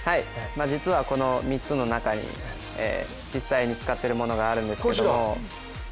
実はこの３つの中に、実際に使っているものがあるんですけども。